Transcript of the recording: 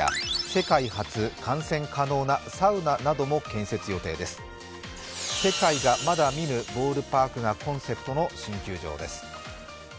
「世界がまだ見ぬボールパーク」がコンセプトの新球場です。